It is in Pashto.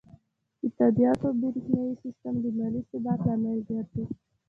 د تادیاتو بریښنایی سیستم د مالي ثبات لامل ګرځي.